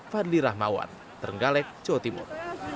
fadli rahmawan trenggalek jawa timur